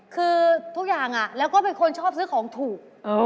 คือทุกอย่างแล้วก็เป็นคนชอบซื้อของถูก